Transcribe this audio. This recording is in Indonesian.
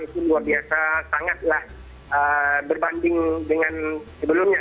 itu luar biasa sangatlah berbanding dengan sebelumnya